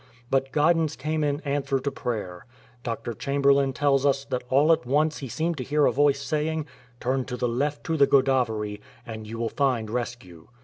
But guidance c^me in answer to prayer. Dr. Chamberlain tells us that all at once he seemed to hear a voice saying, " Turn to the left to the Godavery, and you will find rescue."